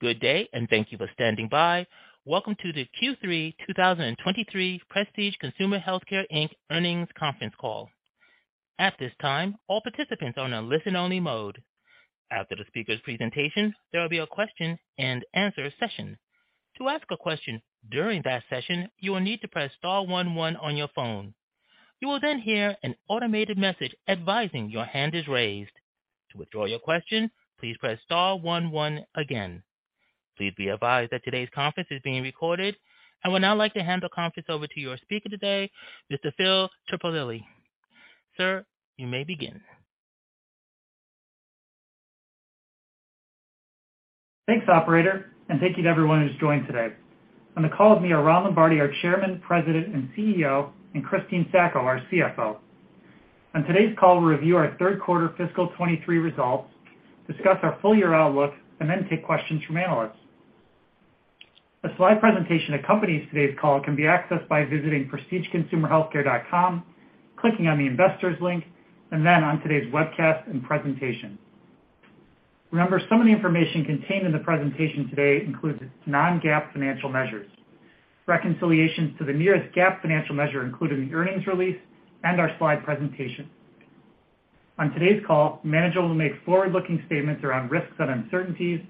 Good day, and thank you for standing by. Welcome to the Q3 2023 Prestige Consumer Healthcare Inc. Earnings Conference Call. At this time, all participants are on a listen-only mode. After the speaker's presentation, there will be a question-and-answer session. To ask a question during that session, you will need to press star one one on your phone. You will then hear an automated message advising your hand is raised. To withdraw your question, please press star one one again. Please be advised that today's conference is being recorded. I would now like to hand the conference over to your speaker today, Mr. Phil Terpolilli. Sir, you may begin. Thanks, operator, and thank you to everyone who's joined today. On the call with me are Ron Lombardi, our Chairman, President, and CEO, and Christine Sacco, our CFO. On today's call, we'll review our 3rd quarter fiscal 2023 results, discuss our full-year outlook, and then take questions from analysts. A slide presentation that accompanies today's call can be accessed by visiting prestigeconsumerhealthcare.com, clicking on the Investors link, and then on today's webcast and presentation. Remember, some of the information contained in the presentation today includes non-GAAP financial measures. Reconciliations to the nearest GAAP financial measure included in the earnings release and our slide presentation. On today's call, management will make forward-looking statements around risks and uncertainties,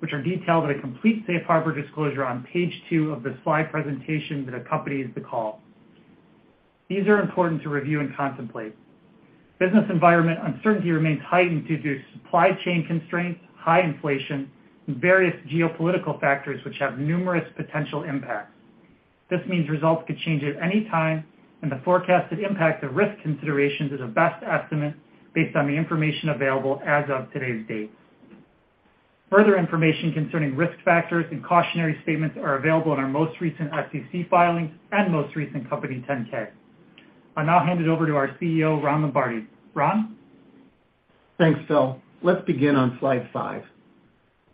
which are detailed in a complete safe harbor disclosure on page 2 of the slide presentation that accompanies the call. These are important to review and contemplate. Business environment uncertainty remains heightened due to supply chain constraints, high inflation, and various geopolitical factors which have numerous potential impacts. This means results could change at any time, and the forecasted impact of risk considerations is a best estimate based on the information available as of today's date. Further information concerning risk factors and cautionary statements are available in our most recent SEC filings and most recent Company 10-K. I'll now hand it over to our CEO, Ron Lombardi. Ron? Thanks, Phil. Let's begin on slide five.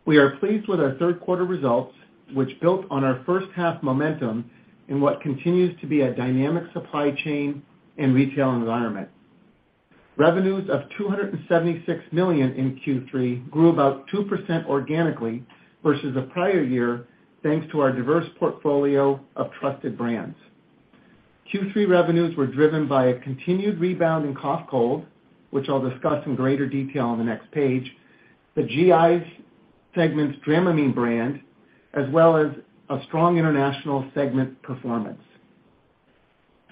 We are pleased with our third quarter results, which built on our first half momentum in what continues to be a dynamic supply chain and retail environment. Revenues of $276 million in Q3 grew about 2% organically vs the prior year, thanks to our diverse portfolio of trusted brands. Q3 revenues were driven by a continued rebound in cough cold, which I'll discuss in greater detail on the next page, the GI segment's Dramamine brand, as well as a strong international segment performance.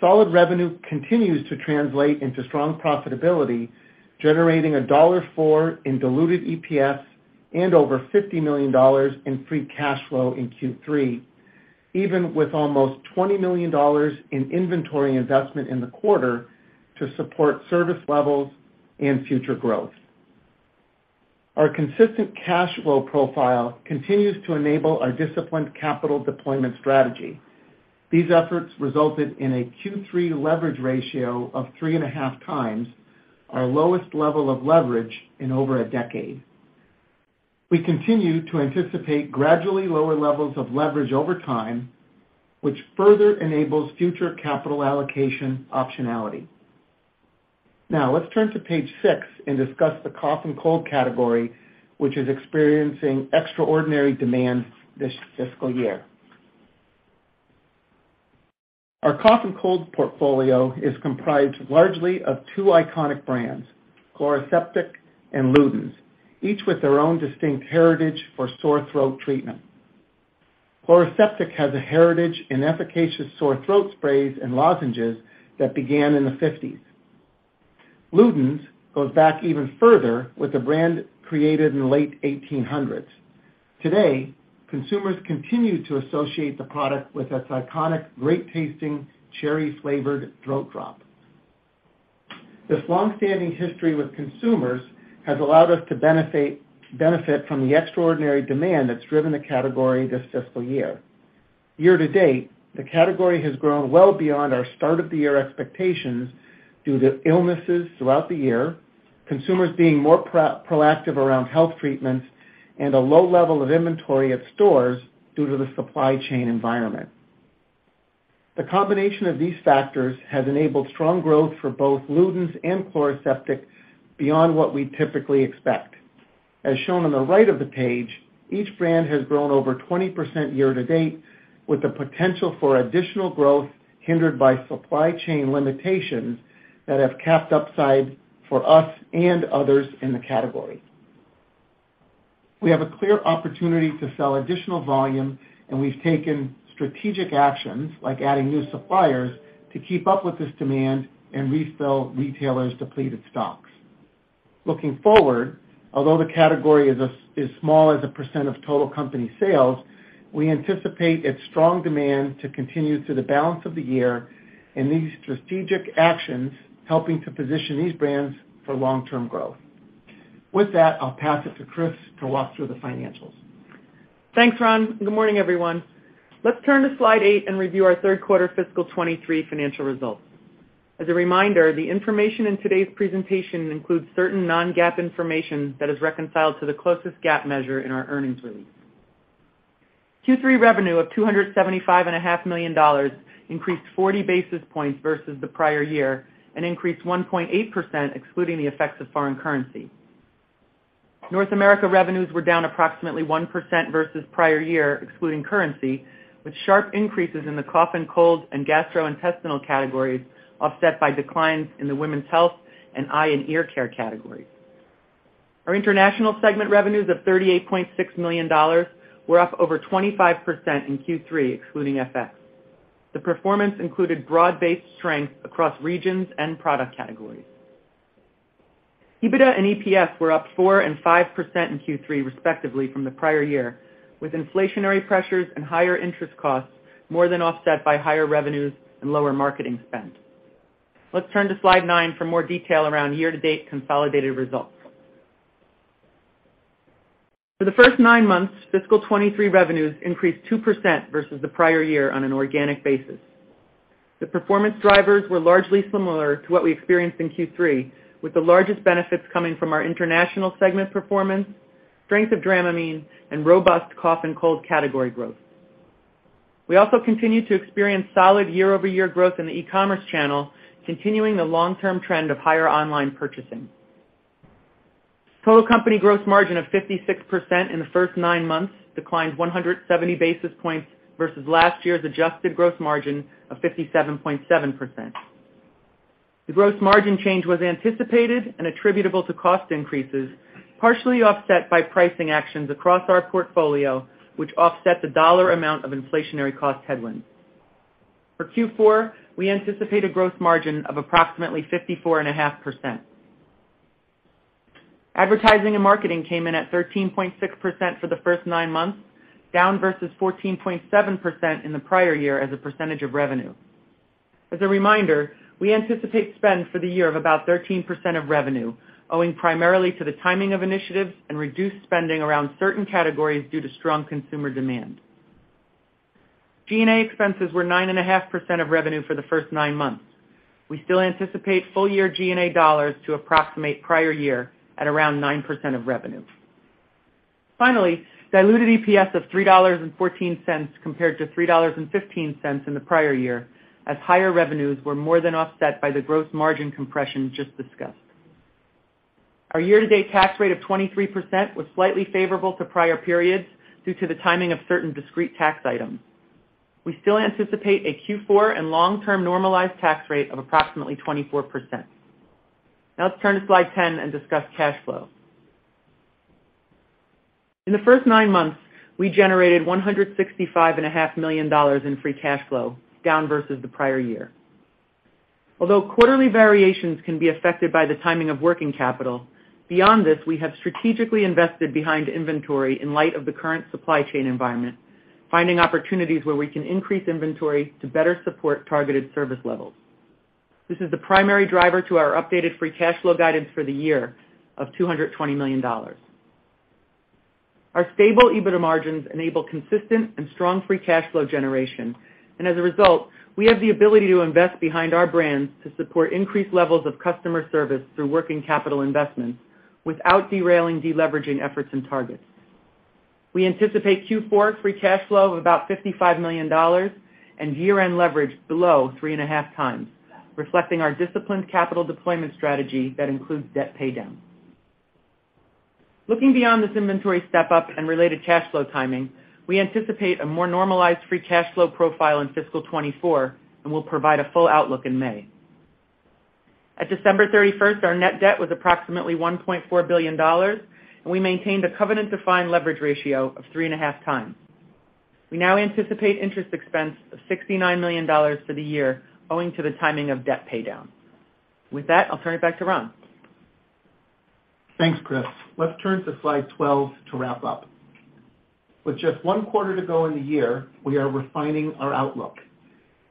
Solid revenue continues to translate into strong profitability, generating $1.04 in diluted EPS and over $50 million in free cash flow in Q3, even with almost $20 million in inventory investment in the quarter to support service levels and future growth. Our consistent cash flow profile continues to enable our disciplined capital deployment strategy. These efforts resulted in a Q3 leverage ratio of 3.5 times, our lowest level of leverage in over a decade. We continue to anticipate gradually lower levels of leverage over time, which further enables future capital allocation optionality. Let's turn to page six and discuss the cough and cold category, which is experiencing extraordinary demand this fiscal year. Our cough and cold portfolio is comprised largely of two iconic brands, Chloraseptic and Luden's, each with their own distinct heritage for sore throat treatment. Chloraseptic has a heritage in efficacious sore throat sprays and lozenges that began in the '50s. Luden's goes back even further with a brand created in the late 1800s. Today, consumers continue to associate the product with its iconic, great-tasting, cherry-flavored throat drop. This long-standing history with consumers has allowed us to benefit from the extraordinary demand that's driven the category this fiscal year. Year to date, the category has grown well beyond our start-of-the-year expectations due to illnesses throughout the year, consumers being more proactive around health treatments, and a low level of inventory at stores due to the supply chain environment. The combination of these factors has enabled strong growth for both Luden's and Chloraseptic beyond what we typically expect. As shown on the right of the page, each brand has grown over 20% year to date, with the potential for additional growth hindered by supply chain limitations that have capped upside for us and others in the category. We have a clear opportunity to sell additional volume, and we've taken strategic actions, like adding new suppliers, to keep up with this demand and refill retailers' depleted stocks. Looking forward, although the category is small as a % of total company sales, we anticipate its strong demand to continue through the balance of the year and these strategic actions helping to position these brands for long-term growth. With that, I'll pass it to Chris to walk through the financials. Thanks, Ron. Good morning, everyone. Let's turn to slide eight and review our third quarter fiscal 2023 financial results. As a reminder, the information in today's presentation includes certain non-GAAP information that is reconciled to the closest GAAP measure in our earnings release. Q3 revenue of $275 and a half million increased 40 basis points vs the prior year and increased 1.8% excluding the effects of foreign currency. North America revenues were down approximately 1% vs prior year, excluding currency, with sharp increases in the cough and cold and gastrointestinal categories, offset by declines in the women's health and eye and ear care categories. Our international segment revenues of $38.6 million were up over 25% in Q3, excluding FX. The performance included broad-based strength across regions and product categories. EBITDA and EPS were up 4% and 5% in Q3, respectively, from the prior year, with inflationary pressures and higher interest costs more than offset by higher revenues and lower marketing spend. Let's turn to slide nine for more detail around year-to-date consolidated results. For the first nine months, fiscal 2023 revenues increased 2% vs the prior year on an organic basis. The performance drivers were largely similar to what we experienced in Q3, with the largest benefits coming from our international segment performance, strength of Dramamine, and robust cough and cold category growth. We also continued to experience solid year-over-year growth in the e-commerce channel, continuing the long-term trend of higher online purchasing. Total company gross margin of 56% in the first nine months declined 170 basis points vs last year's adjusted gross margin of 57.7%. The gross margin change was anticipated and attributable to cost increases, partially offset by pricing actions across our portfolio, which offset the dollar amount of inflationary cost headwinds. For Q4, we anticipate a gross margin of approximately 54.5%. Advertising and marketing came in at 13.6% for the first nine months, down vs 14.7% in the prior year as a percentage of revenue. As a reminder, we anticipate spend for the year of about 13% of revenue, owing primarily to the timing of initiatives and reduced spending around certain categories due to strong consumer demand. G&A expenses were 9.5% of revenue for the first nine months. We still anticipate full-year G&A dollars to approximate prior year at around 9% of revenue. Finally, diluted EPS of $3.14 compared to $3.15 in the prior year, as higher revenues were more than offset by the gross margin compression just discussed. Our year-to-date tax rate of 23% was slightly favorable to prior periods due to the timing of certain discrete tax items. We still anticipate a Q4 and long-term normalized tax rate of approximately 24%. Let's turn to slide 10 and discuss cash flow. In the first nine months, we generated one hundred and sixty-five and a half million dollars in free cash flow, down vs the prior year. Although quarterly variations can be affected by the timing of working capital, beyond this, we have strategically invested behind inventory in light of the current supply chain environment, finding opportunities where we can increase inventory to better support targeted service levels. This is the primary driver to our updated free cash flow guidance for the year of $220 million. Our stable EBITDA margins enable consistent and strong free cash flow generation, and as a result, we have the ability to invest behind our brands to support increased levels of customer service through working capital investments without derailing deleveraging efforts and targets. We anticipate Q4 free cash flow of about $55 million and year-end leverage below 3.5x, reflecting our disciplined capital deployment strategy that includes debt paydown. Looking beyond this inventory step-up and related cash flow timing, we anticipate a more normalized free cash flow profile in fiscal 2024, and we'll provide a full outlook in May. At December 31, our net debt was approximately $1.4 billion, and we maintained a covenant-defined leverage ratio of 3.5x. We now anticipate interest expense of $69 million for the year, owing to the timing of debt paydown. With that, I'll turn it back to Ron. Thanks, Chris. Let's turn to slide 12 to wrap up. With just 1 quarter to go in the year, we are refining our outlook.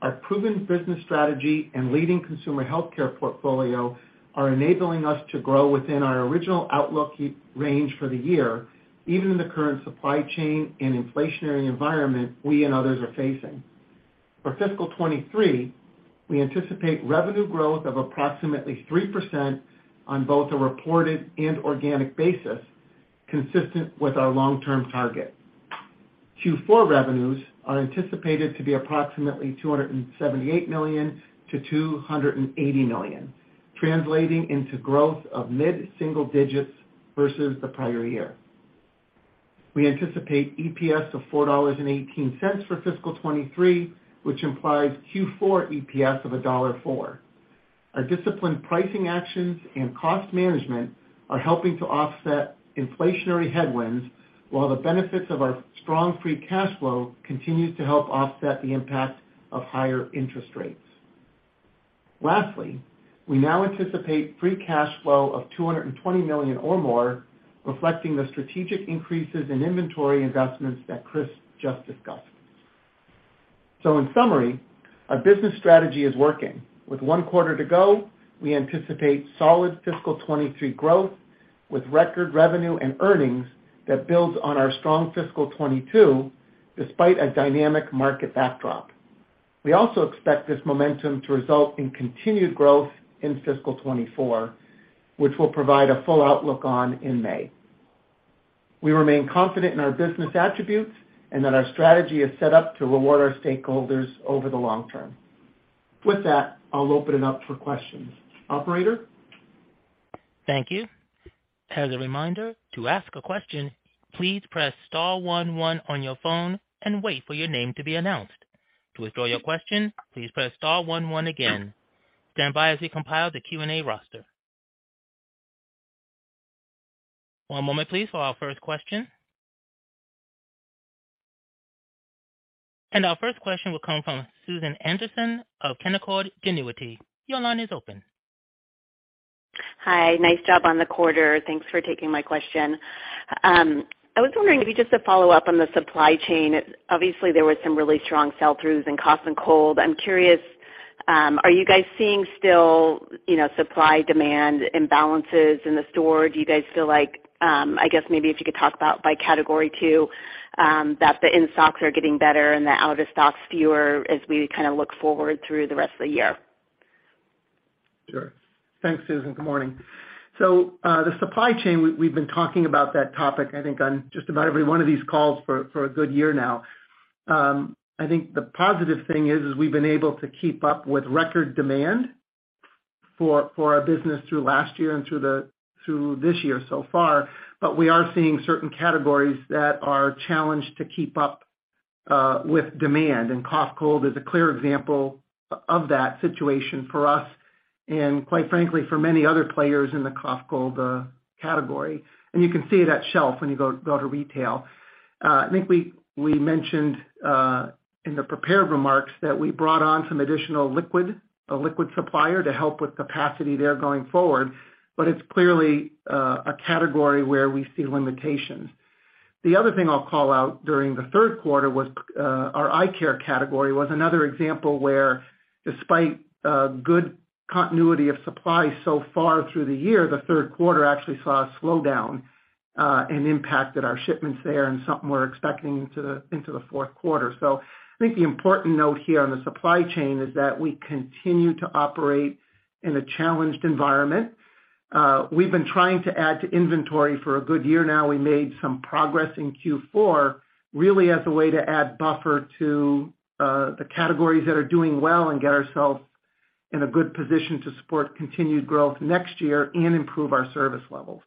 Our proven business strategy and leading consumer healthcare portfolio are enabling us to grow within our original outlook range for the year, even in the current supply chain and inflationary environment we and others are facing. For fiscal 2023, we anticipate revenue growth of approximately 3% on both a reported and organic basis, consistent with our long-term target. Q4 revenues are anticipated to be approximately $278 million-$280 million, translating into growth of mid-single digits vs the prior year. We anticipate EPS of $4.18 for fiscal 2023, which implies Q4 EPS of $1.04. Our disciplined pricing actions and cost management are helping to offset inflationary headwinds, while the benefits of our strong free cash flow continues to help offset the impact of higher interest rates. Lastly, we now anticipate free cash flow of $220 million or more, reflecting the strategic increases in inventory investments that Chris just discussed. In summary, our business strategy is working. With 1 quarter to go, we anticipate solid fiscal 2023 growth with record revenue and earnings that builds on our strong fiscal '22 despite a dynamic market backdrop. We also expect this momentum to result in continued growth in fiscal 2024, which we'll provide a full outlook on in May. We remain confident in our business attributes and that our strategy is set up to reward our stakeholders over the long term. With that, I'll open it up for questions. Operator? Thank you. As a reminder, to ask a question, please press star 11 on your phone and wait for your name to be announced. To withdraw your question, please press star 11 again. Stand by as we compile the Q&A roster. One moment please for our first question. Our first question will come from Susan Anderson of Canaccord Genuity. Your line is open. Hi. Nice job on the quarter. Thanks for taking my question. I was wondering if you just to follow up on the supply chain. Obviously, there were some really strong sell-throughs in cough and cold. I'm curious, are you guys seeing still, you know, supply demand imbalances in the store? Do you guys feel like, I guess maybe if you could talk about by category too, that the in-stocks are getting better and the out-of-stocks fewer as we kind of look forward through the rest of the year? Sure. Thanks, Susan. Good morning. The supply chain, we've been talking about that topic, I think, on just about every one of these calls for a good year now. I think the positive thing is, we've been able to keep up with record demand for our business through last year and through this year so far. We are seeing certain categories that are challenged to keep up with demand, and cough cold is a clear example of that situation for us and quite frankly, for many other players in the cough cold category. You can see it at shelf when you go to retail. I think we mentioned in the prepared remarks that we brought on some additional liquid, a liquid supplier to help with capacity there going forward, but it's clearly a category where we see limitations. The other thing I'll call out during the third quarter was our eye care category was another example where despite good continuity of supply so far through the year, the third quarter actually saw a slowdown and impacted our shipments there and something we're expecting into the, into the fourth quarter. I think the important note here on the supply chain is that we continue to operate in a challenged environment. We've been trying to add to inventory for a good year now. We made some progress in Q4, really as a way to add buffer to the categories that are doing well and get ourselves in a good position to support continued growth next year and improve our service levels.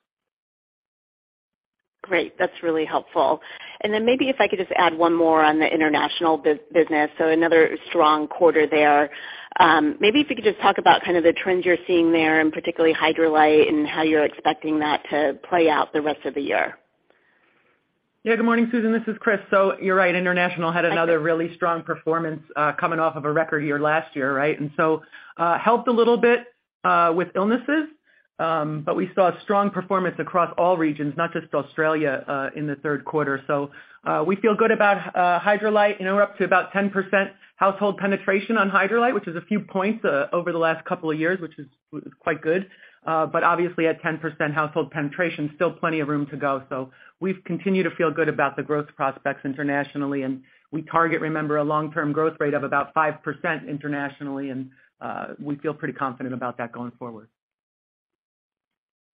Great. That's really helpful. Then maybe if I could just add one more on the international business. Another strong quarter there. Maybe if you could just talk about kind of the trends you're seeing there, and particularly Hydralyte and how you're expecting that to play out the rest of the year. Good morning, Susan. This is Chris. You're right, international had another really strong performance, coming off of a record year last year, right? Helped a little bit with illnesses. We saw strong performance across all regions, not just Australia, in the third quarter. We feel good about Hydralyte, and we're up to about 10% household penetration on Hydralyte, which is a few points over the last couple of years, which is quite good. Obviously at 10% household penetration, still plenty of room to go. We've continued to feel good about the growth prospects internationally, we target, remember, a long-term growth rate of about 5% internationally, we feel pretty confident about that going forward.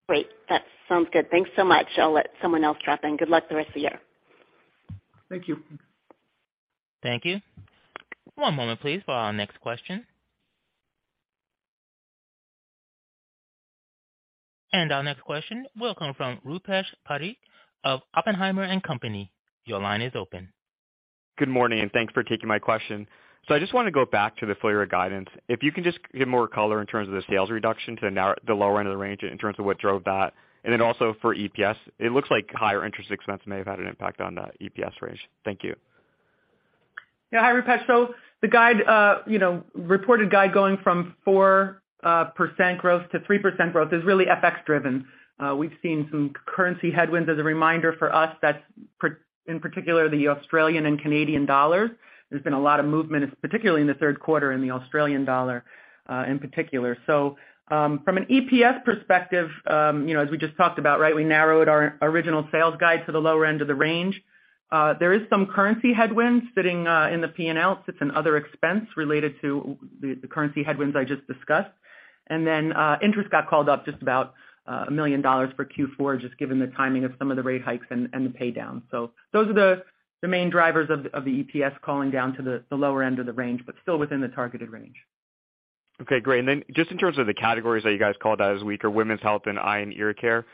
Great. That sounds good. Thanks so much. I'll let someone else drop in. Good luck the rest of the year. Thank you. Thank you. One moment, please, for our next question. Our next question will come from Rupesh Parikh of Oppenheimer & Co. Your line is open. Good morning, and thanks for taking my question. I just want to go back to the full year guidance. If you can just give more color in terms of the sales reduction to the lower end of the range in terms of what drove that. Also for EPS, it looks like higher interest expense may have had an impact on the EPS range. Thank you. Yeah. Hi, Rupesh. The guide, you know, reported guide going from 4% growth to 3% growth is really FX driven. We've seen some currency headwinds as a reminder for us that's in particular the Australian and Canadian dollars. There's been a lot of movement, particularly in the third quarter in the Australian dollar, in particular. From an EPS perspective, you know, as we just talked about, right, we narrowed our original sales guide to the lower end of the range. There is some currency headwinds sitting in the P&L, sits in other expense related to the currency headwinds I just discussed. Interest got called up just about $1 million for Q4, just given the timing of some of the rate hikes and the pay down. Those are the main drivers of the EPS calling down to the lower end of the range, but still within the targeted range. Okay, great. Just in terms of the categories that you guys called out as weaker, women's health and eye and ear care,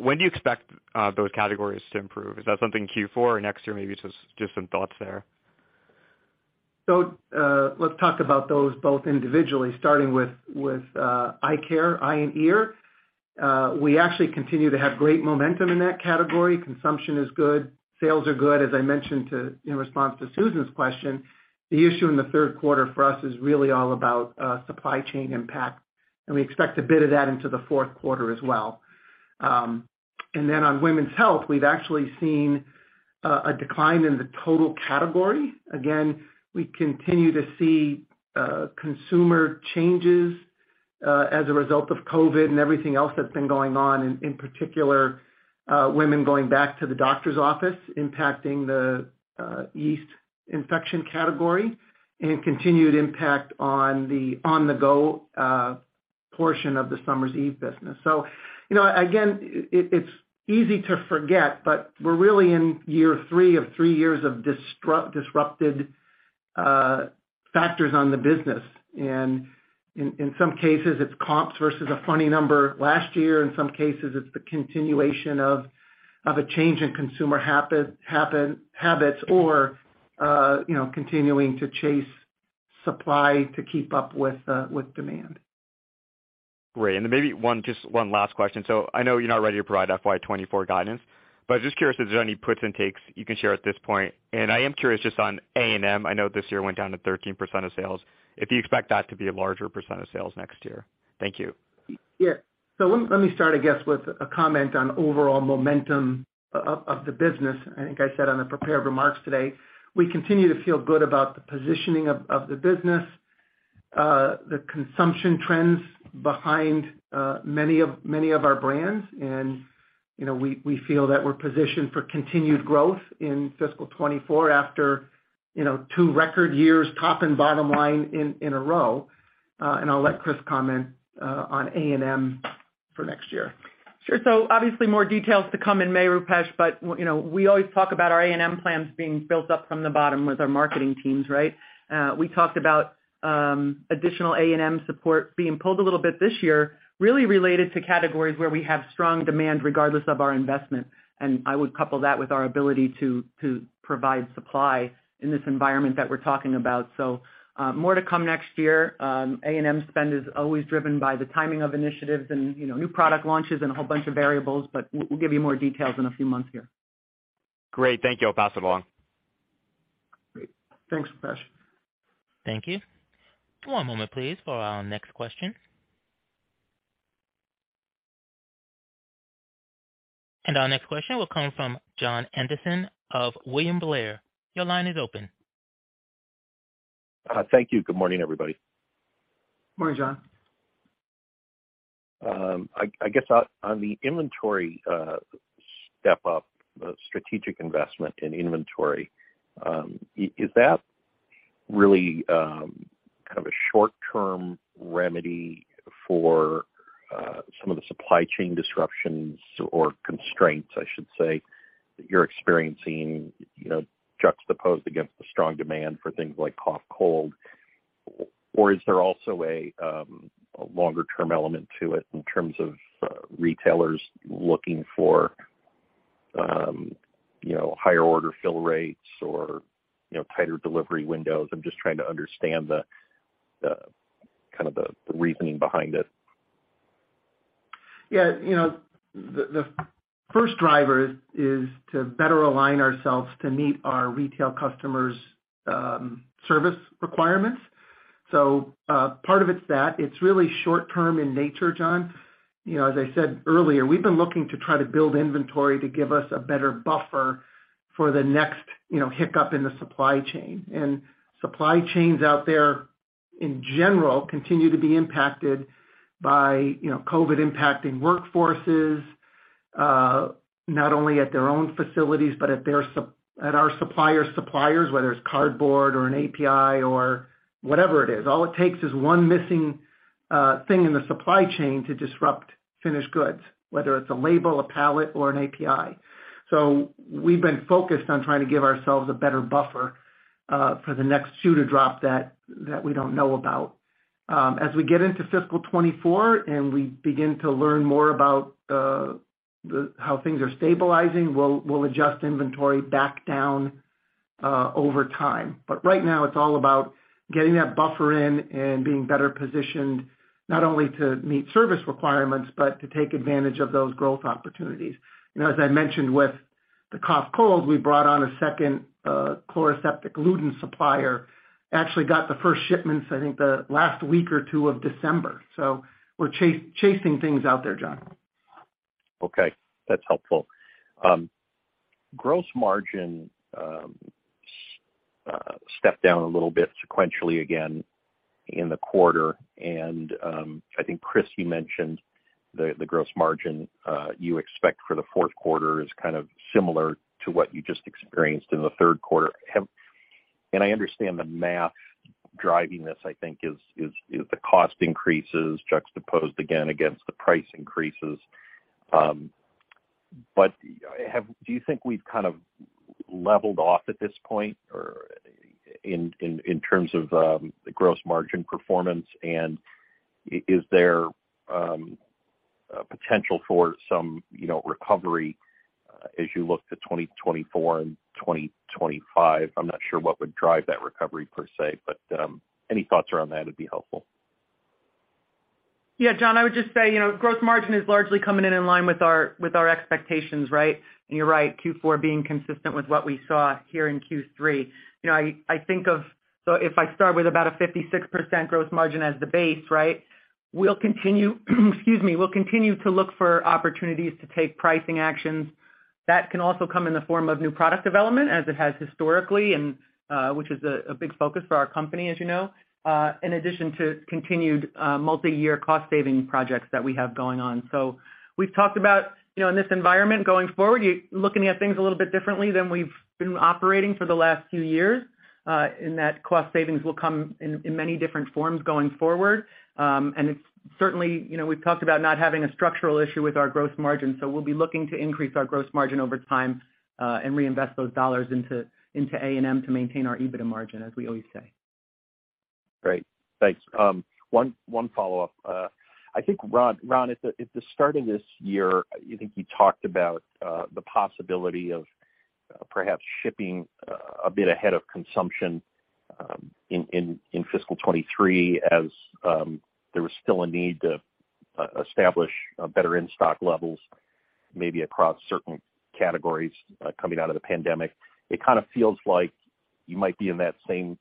when do you expect those categories to improve? Is that something Q4 or next year maybe? Just some thoughts there. Let's talk about those both individually, starting with eye care, eye and ear. We actually continue to have great momentum in that category. Consumption is good, sales are good. As I mentioned to, in response to Susan's question, the issue in the third quarter for us is really all about supply chain impact, and we expect to bid of that into the fourth quarter as well. On women's health, we've actually seen a decline in the total category. Again, we continue to see consumer changes as a result of COVID and everything else that's been going on, in particular, women going back to the doctor's office impacting the yeast infection category and continued impact on the on-the-go portion of the Summer's Eve business. You know, again, it's easy to forget, but we're really in year three of three years of disrupted factors on the business. In some cases, it's comps vs a funny number. Last year, in some cases, it's the continuation of a change in consumer habits or, you know, continuing to chase supply to keep up with demand. Great. Maybe just one last question. I know you're not ready to provide FY 2024 guidance, but I'm just curious if there's any puts and takes you can share at this point. I am curious just on A&M. I know this year went down to 13% of sales, if you expect that to be a larger percent of sales next year. Thank you. Yeah. Let me start, I guess, with a comment on overall momentum of the business. I think I said on the prepared remarks today, we continue to feel good about the positioning of the business, the consumption trends behind many of our brands. you know, we feel that we're positioned for continued growth in fiscal 2024 after, you know, two record years, top and bottom line in a row. I'll let Chris comment on A&M for next year. Sure. Obviously more details to come in May, Rupesh, but, you know, we always talk about our A&M plans being built up from the bottom with our marketing teams, right? We talked about additional A&M support being pulled a little bit this year, really related to categories where we have strong demand regardless of our investment. I would couple that with our ability to provide supply in this environment that we're talking about. More to come next year. A&M spend is always driven by the timing of initiatives and, you know, new product launches and a whole bunch of variables, but we'll give you more details in a few months here. Great. Thank you. I'll pass it along. Great. Thanks, Rupesh. Thank you. One moment please for our next question. Our next question will come from Jon Andersen of William Blair. Your line is open. Thank you. Good morning, everybody. Morning, Jon. I guess on the inventory step up, strategic investment in inventory, is that really kind of a short-term remedy for some of the supply chain disruptions or constraints, I should say, that you're experiencing, you know, juxtaposed against the strong demand for things like cough, cold? Or is there also a longer-term element to it in terms of retailers looking for, you know, higher order fill rates or, you know, tighter delivery windows? I'm just trying to understand the kind of the reasoning behind it Yeah. You know, the first driver is to better align ourselves to meet our retail customers' service requirements. Part of it is that. It's really short term in nature, Jon. You know, as I said earlier, we've been looking to try to build inventory to give us a better buffer for the next, you know, hiccup in the supply chain. Supply chains out there, in general, continue to be impacted by, you know, COVID impacting workforces, not only at their own facilities, but at our supplier's suppliers, whether it's cardboard or an API or whatever it is. All it takes is one missing thing in the supply chain to disrupt finished goods, whether it's a label, a pallet, or an API. We've been focused on trying to give ourselves a better buffer for the next shoe to drop that we don't know about. As we get into fiscal 2024 and we begin to learn more about how things are stabilizing, we'll adjust inventory back down over time. Right now, it's all about getting that buffer in and being better positioned not only to meet service requirements, but to take advantage of those growth opportunities. You know, as I mentioned with the cough cold, we brought on a second Chloraseptic gluten supplier. Actually got the first shipments, I think, the last week or 2 of December. We're chasing things out there, Jon. Okay. That's helpful. gross margin stepped down a little bit sequentially, again, in the quarter. I think, Chris, you mentioned the gross margin you expect for the fourth quarter is kind of similar to what you just experienced in the third quarter. I understand the math driving this, I think, is the cost increases juxtaposed again against the price increases. Do you think we've kind of leveled off at this point or in terms of the gross margin performance, and is there a potential for some, you know, recovery, as you look to 2024 and 2025? I'm not sure what would drive that recovery per se, but any thoughts around that would be helpful. Yeah. Jon, I would just say, you know, gross margin is largely coming in in line with our, with our expectations, right? You're right, Q4 being consistent with what we saw here in Q3. You know, I think of so if I start with about a 56% gross margin as the base, right? We'll continue, excuse me, we'll continue to look for opportunities to take pricing actions that can also come in the form of new product development as it has historically and which is a big focus for our company, as you know, in addition to continued multi-year cost saving projects that we have going on. We've talked about, you know, in this environment going forward, you're looking at things a little bit differently than we've been operating for the last few years, in that cost savings will come in many different forms going forward. It's certainly, you know, we've talked about not having a structural issue with our gross margin, so we'll be looking to increase our gross margin over time, and reinvest those dollars into A&M to maintain our EBITDA margin, as we always say. Great. Thanks. One follow-up. I think, Ron, at the starting this year, I think you talked about the possibility of perhaps shipping a bit ahead of consumption in fiscal 2023 as there was still a need to establish a better in-stock levels, maybe across certain categories, coming out of the pandemic. It kinda feels like you might be in that same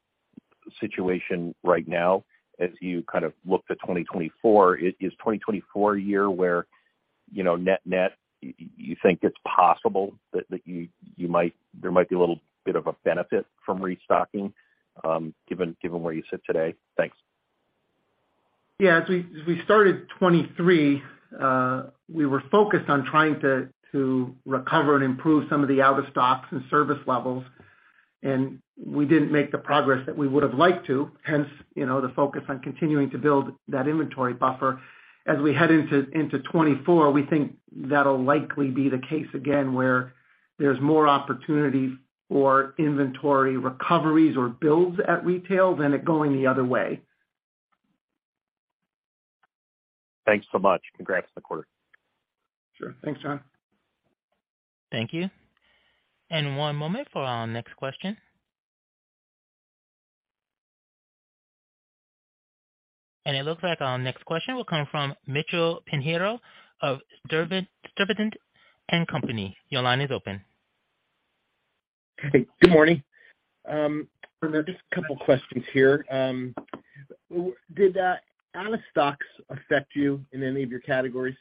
situation right now as you kind of look to 2024. Is 2024 a year where, you know, net net you think it's possible that there might be a little bit of a benefit from restocking, given where you sit today? Thanks. Yeah. As we started 2023, we were focused on trying to recover and improve some of the out of stocks and service levels. We didn't make the progress that we would've liked to, hence, you know, the focus on continuing to build that inventory buffer. As we head into 2024, we think that'll likely be the case again, where there's more opportunity for inventory recoveries or builds at retail than it going the other way. Thanks so much. Congrats on the quarter. Sure. Thanks, Jon. Thank you. One moment for our next question. It looks like our next question will come from Mitchell Pinheiro of Sturdivant & Co.. Your line is open. Hey, good morning. Just a couple questions here. Did out of stocks affect you in any of your categories?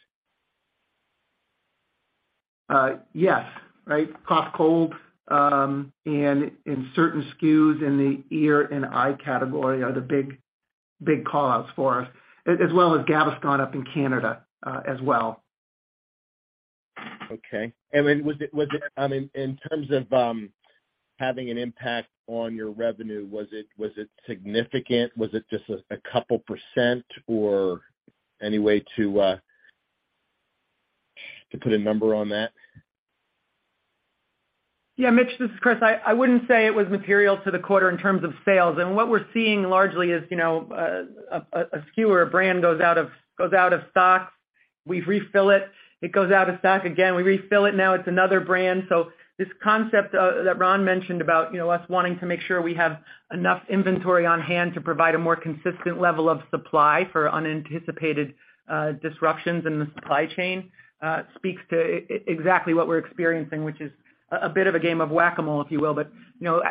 Yes. Right. Cough, cold, and in certain SKUs in the ear and eye category are the big, big call-outs for us, as well as Gaviscon up in Canada, as well. Okay. Then was it, I mean, in terms of having an impact on your revenue, was it significant? Was it just a couple percent or any way to put a number on that? Yeah, Mitch, this is Chris. I wouldn't say it was material to the quarter in terms of sales. What we're seeing largely is, you know, a SKU or a brand goes out of stock, we refill it. It goes out of stock again, we refill it. Now it's another brand. This concept that Ron mentioned about, you know, us wanting to make sure we have enough inventory on hand to provide a more consistent level of supply for unanticipated disruptions in the supply chain speaks to exactly what we're experiencing, which is a bit of a game of Whac-A-Mole, if you will. you know,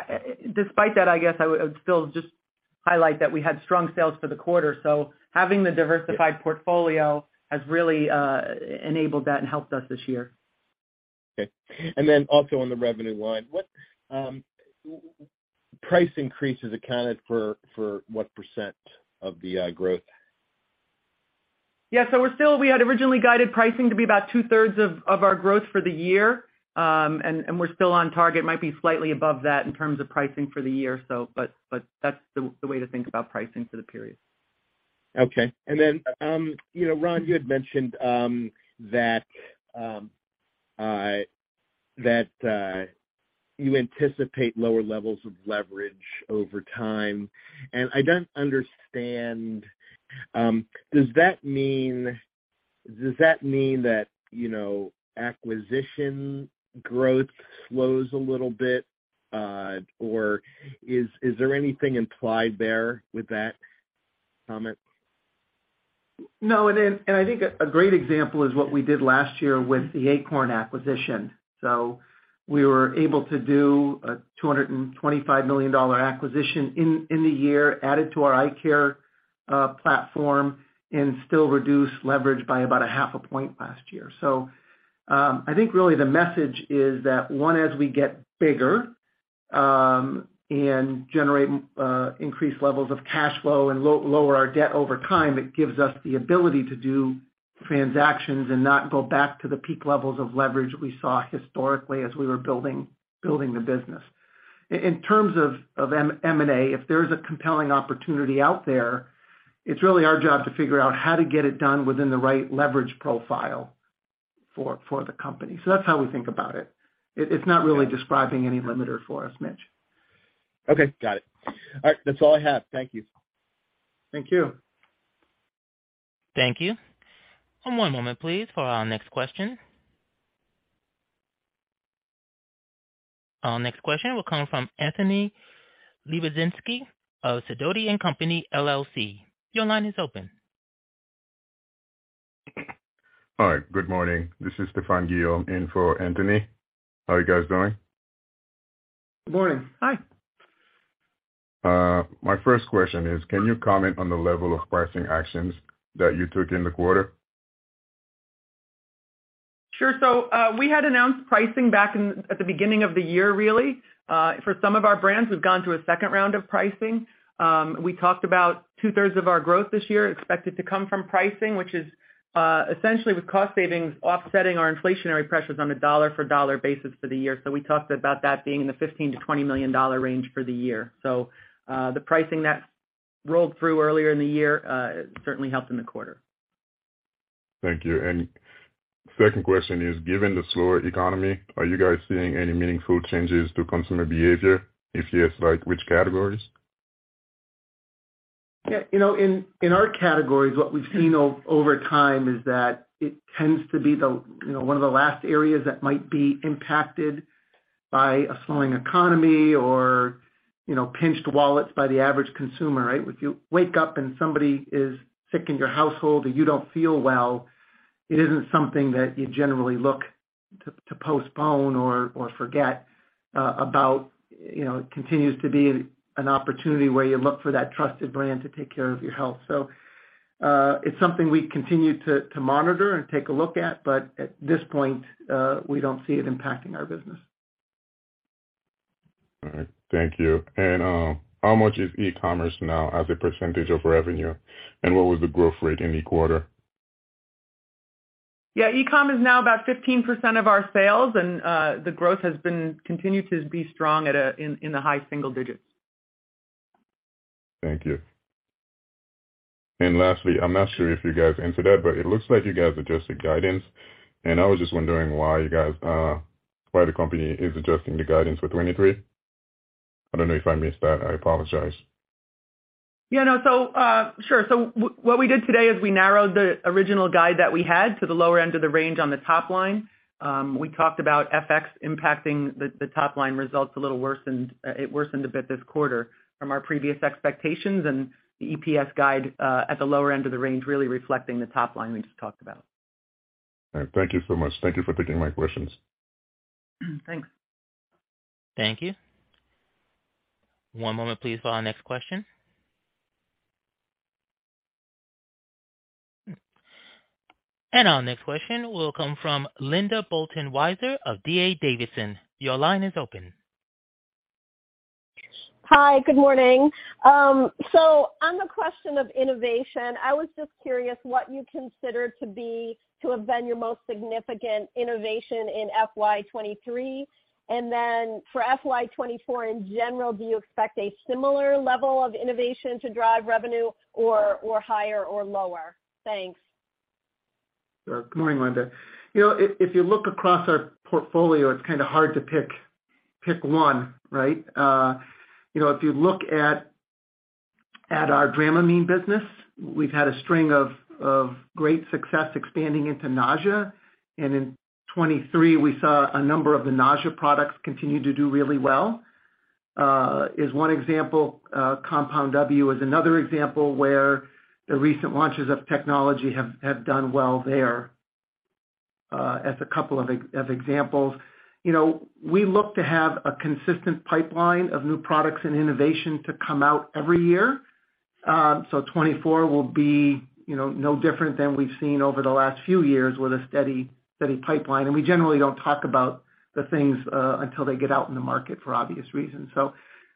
despite that, I guess I would still just highlight that we had strong sales for the quarter, so having the diversified portfolio has really enabled that and helped us this year. Okay. Then also on the revenue line, what price increases accounted for what % of the growth? Yeah. We had originally guided pricing to be about 2/3 of our growth for the year. We're still on target. Might be slightly above that in terms of pricing for the year. But that's the way to think about pricing for the period. Okay. Then, you know, Ron, you had mentioned that you anticipate lower levels of leverage over time. I don't understand, does that mean, does that mean that, you know, acquisition growth slows a little bit, or is there anything implied there with that comment? No. I think a great example is what we did last year with the Akorn acquisition. We were able to do a $225 million acquisition in the year, add it to our eye care platform, and still reduce leverage by about a half a point last year. I think really the message is that, one, as we get bigger, and generate increased levels of cash flow and lower our debt over time, it gives us the ability to do transactions and not go back to the peak levels of leverage we saw historically as we were building the business. In terms of M&A, if there's a compelling opportunity out there, it's really our job to figure out how to get it done within the right leverage profile for the company. That's how we think about it. It's not really describing any limiter for us, Mitch. Okay, got it. All right. That's all I have. Thank you. Thank you. Thank you. One moment, please, for our next question. Our next question will come from Anthony Lebiedzinski of Sidoti & Company, LLC. Your line is open. All right. Good morning. This is Stephane Guillaume in for Anthony. How are you guys doing? Good morning. Hi. My first question is, can you comment on the level of pricing actions that you took in the quarter? Sure. We had announced pricing back in, at the beginning of the year really. For some of our brands, we've gone through a second round of pricing. We talked about 2/3 of our growth this year expected to come from pricing, which is essentially with cost savings offsetting our inflationary pressures on a dollar-for-dollar basis for the year. We talked about that being in the $15 million-$20 million range for the year. The pricing that rolled through earlier in the year certainly helped in the quarter. Thank you. Second question is, given the slower economy, are you guys seeing any meaningful changes to consumer behavior? If yes, like, which categories? You know, in our categories, what we've seen over time is that it tends to be the, you know, one of the last areas that might be impacted by a slowing economy or, you know, pinched wallets by the average consumer, right? If you wake up and somebody is sick in your household or you don't feel well, it isn't something that you generally look to postpone or forget about. You know, it continues to be an opportunity where you look for that trusted brand to take care of your health. It's something we continue to monitor and take a look at, but at this point, we don't see it impacting our business. All right. Thank you. How much is e-commerce now as a percentage of revenue? What was the growth rate in the quarter? Yeah, e-commerce is now about 15% of our sales, and the growth has continued to be strong in the high single digits. Thank you. Lastly, I'm not sure if you guys answered that, but it looks like you guys adjusted guidance, and I was just wondering why you guys, why the company is adjusting the guidance for 2023? I don't know if I missed that. I apologize. Yeah, no. Sure. What we did today is we narrowed the original guide that we had to the lower end of the range on the top line. We talked about FX impacting the top line results a little worsened, it worsened a bit this quarter from our previous expectations and the EPS guide at the lower end of the range, really reflecting the top line we just talked about. All right. Thank you so much. Thank you for taking my questions. Thanks. Thank you. One moment, please, for our next question. Our next question will come from Linda Bolton Weiser of D.A. Davidson. Your line is open. Hi, good morning. On the question of innovation, I was just curious what you consider to be, to have been your most significant innovation in FY 2023. For FY 2024 in general, do you expect a similar level of innovation to drive revenue or higher or lower? Thanks. Sure. Good morning, Linda. You know, if you look across our portfolio, it's kinda hard to pick one, right? You know, if you look at our Dramamine business, we've had a string of great success expanding into nausea. In 2023, we saw a number of the nausea products continue to do really well, is one example. Compound W is another example where the recent launches of technology have done well there, as a couple of examples. You know, we look to have a consistent pipeline of new products and innovation to come out every year. 2024 will be, you know, no different than we've seen over the last few years with a steady pipeline. We generally don't talk about the things until they get out in the market for obvious reasons.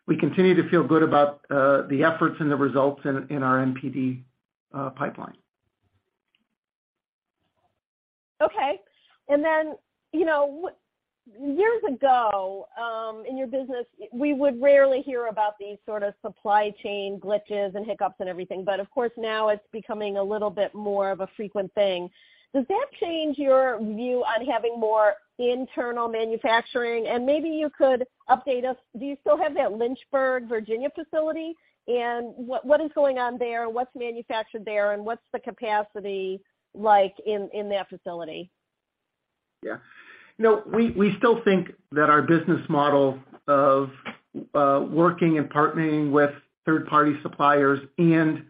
We continue to feel good about the efforts and the results in our NPD pipeline. Okay. You know, years ago, in your business, we would rarely hear about these sort of supply chain glitches and hiccups and everything. Of course, now it's becoming a little bit more of a frequent thing. Does that change your view on having more internal manufacturing? Maybe you could update us, do you still have that Lynchburg, Virginia facility? What is going on there? What's manufactured there? What's the capacity like in that facility? Yeah. You know, we still think that our business model of working and partnering with third-party suppliers and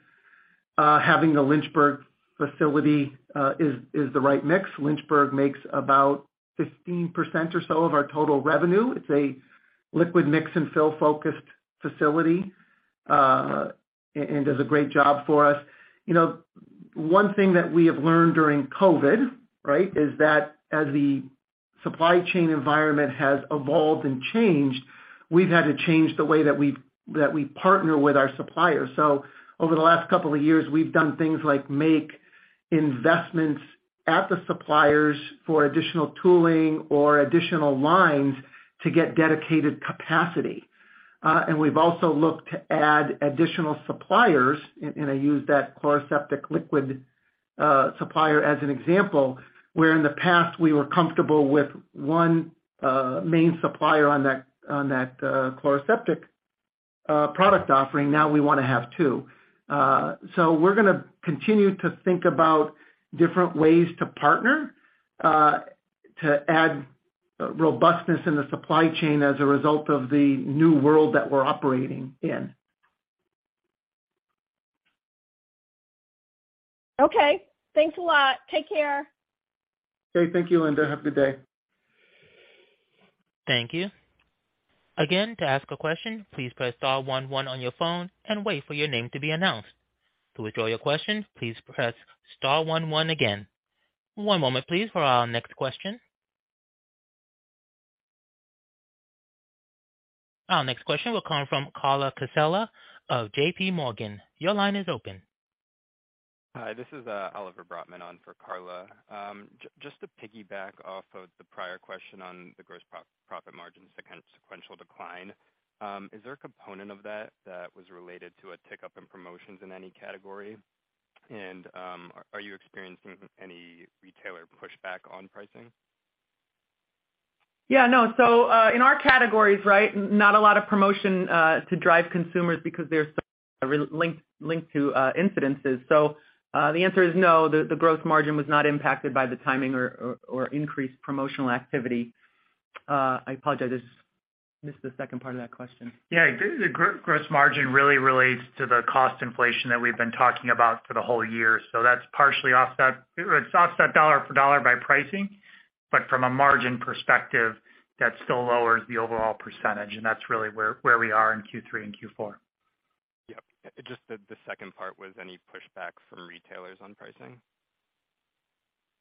having the Lynchburg facility is the right mix. Lynchburg makes about 15% or so of our total revenue. It's a liquid mix and fill-focused facility and does a great job for us. You know, one thing that we have learned during COVID, right, is that as the supply chain environment has evolved and changed, we've had to change the way that we partner with our suppliers. Over the last couple of years, we've done things like make investments at the suppliers for additional tooling or additional lines to get dedicated capacity. We've also looked to add additional suppliers, and I use that Chloraseptic liquid supplier as an example, where in the past we were comfortable with one main supplier on that Chloraseptic product offering. Now we want to have two. So we're going to continue to think about different ways to partner to add robustness in the supply chain as a result of the new world that we're operating in. Okay. Thanks a lot. Take care. Okay. Thank you, Linda. Have a good day. Thank you. To ask a question, please press star one one on your phone and wait for your name to be announced. To withdraw your question, please press star one one again. One moment please, for our next question. Our next question will come from Carla Casella of JPMorgan. Your line is open. Hi, this is Oliver Brotman on for Carla. Just to piggyback off of the prior question on the gross profit margins, the kind of sequential decline, is there a component of that that was related to a tick up in promotions in any category? Are you experiencing any retailer pushback on pricing? Yeah, no. In our categories, right, not a lot of promotion to drive consumers because they're so linked to incidences. The answer is no. The growth margin was not impacted by the timing or increased promotional activity. I apologize, I just missed the second part of that question. Yeah. The gross margin really relates to the cost inflation that we've been talking about for the whole year. That's partially offset. It's offset dollar for dollar by pricing, but from a margin perspective, that still lowers the overall percentage. That's really where we are in Q3 and Q4. Yep. Just the second part was any pushback from retailers on pricing.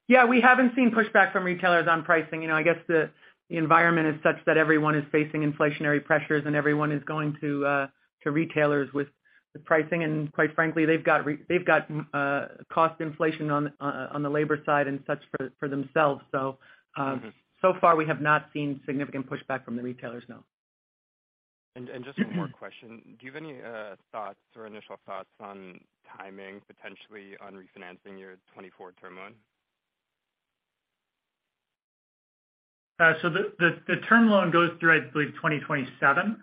Yeah, we haven't seen pushback from retailers on pricing. You know, I guess the environment is such that everyone is facing inflationary pressures and everyone is going to retailers with the pricing. Quite frankly, they've got cost inflation on the labor side and such for themselves. Mm-hmm. Far we have not seen significant pushback from the retailers, no. Just one more question. Do you have any thoughts or initial thoughts on timing potentially on refinancing your 2024 term loan? The term loan goes through, I believe, 2027.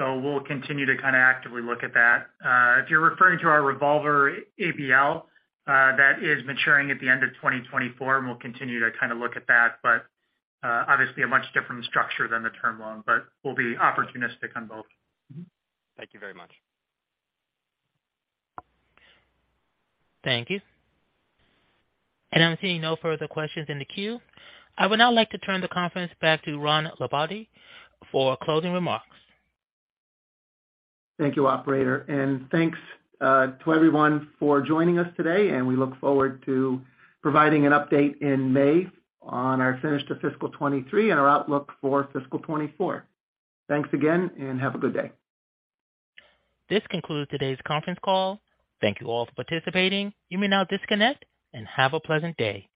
We'll continue to kinda actively look at that. If you're referring to our revolver ABL, that is maturing at the end of 2024, and we'll continue to kinda look at that, but obviously a much different structure than the term loan. We'll be opportunistic on both. Mm-hmm. Thank you very much. Thank you. I'm seeing no further questions in the queue. I would now like to turn the conference back to Ron Lombardi for closing remarks. Thank you, operator. Thanks to everyone for joining us today, and we look forward to providing an update in May on our finish to fiscal 2023 and our outlook for fiscal 2024. Thanks again, and have a good day. This concludes today's conference call. Thank you all for participating. You may now disconnect and have a pleasant day.